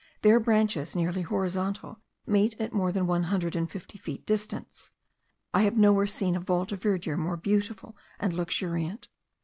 Their branches, nearly horizontal, meet at more than one hundred and fifty feet distance. I have nowhere seen a vault of verdure more beautiful and luxuriant.